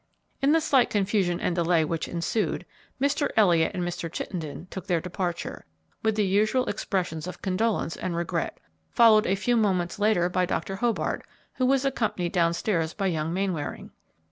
In the slight confusion and delay which ensued, Mr. Elliott and Mr. Chittenden took their departure, with the usual expressions of condolence and regret, followed a few moments later by Dr. Hobart, who was accompanied downstairs by young Mainwaring.